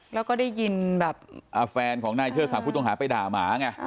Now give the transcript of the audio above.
แล้วก็ได้ยินแบบแฟนของนายเชิดศักดิ์ผู้ต้องหาไปด่าหมาไง